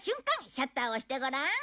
シャッターを押してごらん。